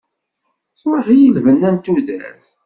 Truḥ-iyi lbenna n tudert.